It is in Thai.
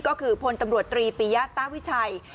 ก็คือพลตำรวจตรีปียะต้าวิชัย